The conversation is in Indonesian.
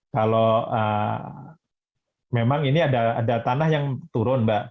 kalau memang ini ada tanah yang turun mbak